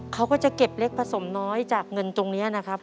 เขาก็จะเก็บเล็กผสมน้อยจากเงินตรงนี้นะครับ